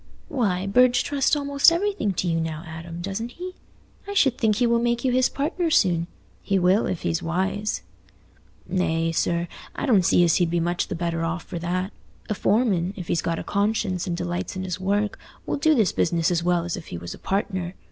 "Why, Burge trusts almost everything to you now, Adam, doesn't he? I should think he will make you his partner soon. He will, if he's wise." "Nay, sir, I don't see as he'd be much the better off for that. A foreman, if he's got a conscience and delights in his work, will do his business as well as if he was a partner.